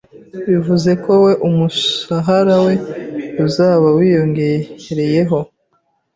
bivuze ko we umushahara we uzaba wiyongereyeho